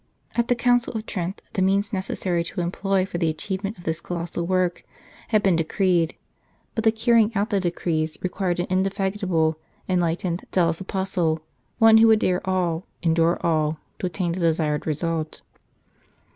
At the Council of Trent, the means necessary to employ for the achievement of this colossal work had been decreed, but the carrying out the decrees required an indefatigable, enlightened, zealous Apostle, one who would dare all, endure all, to attain the desired result.